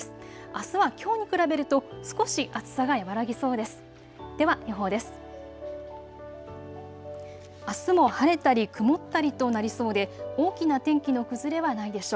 あすはきょうに比べると少し暑さが和らぎそうです。